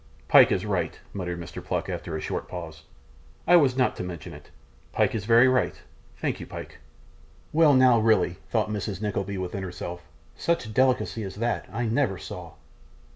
'Pyke is right,' muttered Mr. Pluck, after a short pause; 'I was not to mention it. Pyke is very right. Thank you, Pyke.' 'Well now, really,' thought Mrs. Nickleby within herself. 'Such delicacy as that, I never saw!